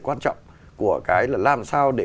quan trọng của cái là làm sao để